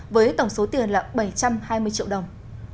với tổng số tiền là bảy trăm hai mươi triệu đồng